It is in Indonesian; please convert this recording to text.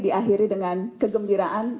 diakhiri dengan kegembiraan